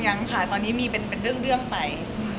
ยังค่ะตอนนี้มีเป็นเรื่องไป